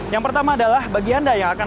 yang pertama adalah bagi anda yang akan